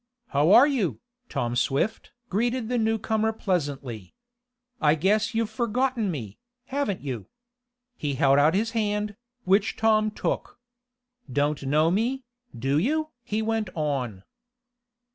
"How are you, Tom Swift?" greeted the newcomer pleasantly. "I guess you've forgotten me, haven't you?" He held out his hand, which Tom took. "Don't know me, do you?" he went on.